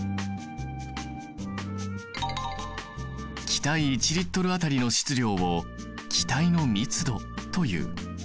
気体１Ｌあたりの質量を気体の密度という。